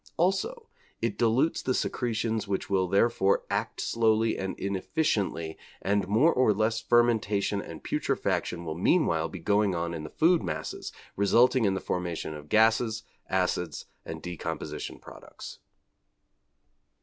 Also it dilutes the secretions which will therefore 'act slowly and inefficiently, and more or less fermentation and putrefaction will meanwhile be going on in the food masses, resulting in the formation of gases, acids, and decomposition products.'